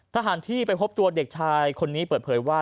ทหารที่ไปพบตัวเด็กชายคนนี้เปิดเผยว่า